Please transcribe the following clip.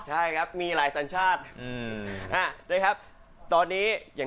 ใช่ครับมีหลายสัญชาติ